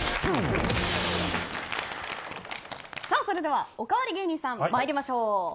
それではおかわり芸人さん参りましょう。